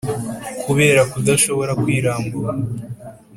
kubera kudashobora kwirambura